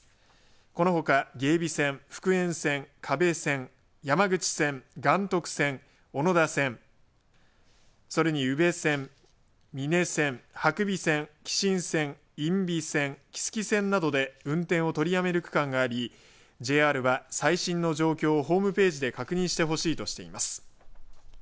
このほか芸備線、福塩線可部線、山口線、岩徳線小野田線それに宇部線、美祢線伯備線、因美線木次線などで運転を取りやめる区間がありＪＲは最新の状況をホームページで確認してほしいとしています。